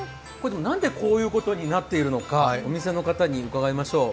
なんでこういうことになっているのかお店の方に伺いましょう。